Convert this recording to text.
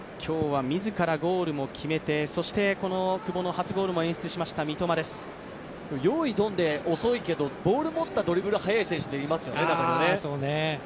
今日は自らゴールを決めて久保の初ゴールを演出しました用意、ドンでは遅いけど、ボール持ったドリブル速い選手っていますよね。